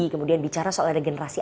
kemudian bicara soal regenerasi